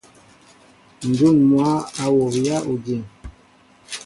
Njŭn mwă a wowya ojiŋ.